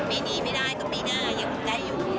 ปีนี้ไม่ได้ก็ปีหน้ายังได้อยู่